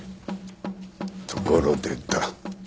ところでだ